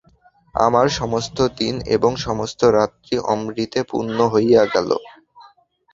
আমার সমস্ত দিন এবং সমস্ত রাত্রি অমৃতে পূর্ণ হইয়া গেল।